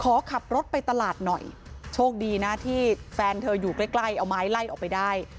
ขอขับรถไปตลาดหน่อยโชคดีนะที่แฟนเธออยู่ใกล้ใกล้เอาไม้ไล่ออกไปได้